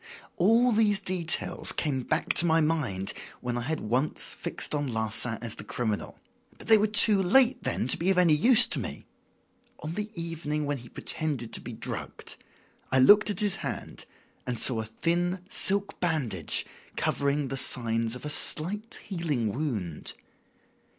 "All these details came back to my mind when I had once fixed on Larsan as the criminal. But they were too late then to be of any use to me. On the evening when he pretended to be drugged I looked at his hand and saw a thin silk bandage covering the signs of a slight healing wound.